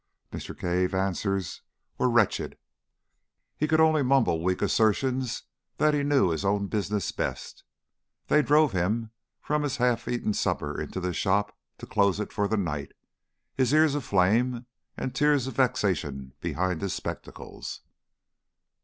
Mr. Cave's answers were wretched; he could only mumble weak assertions that he knew his own business best. They drove him from his half eaten supper into the shop, to close it for the night, his ears aflame and tears of vexation behind his spectacles.